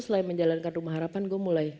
selain menjalankan rumah harapan gue mulai